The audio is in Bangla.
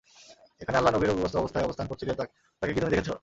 এখানে আল্লাহর নবী রোগগ্রস্ত অবস্থায় অবস্থান করছিলেন তাঁকে কি তুমি দেখেছ?